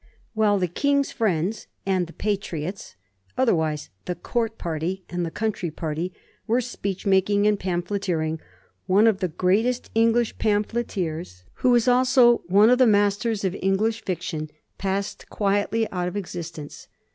While "the King's friends" and the Patriots, other wise the Court party and the country party, were speech making and pamphleteering, one of the greatest English pamphleteers, who was also one of the masters of English fiction, passed quietly out of existence.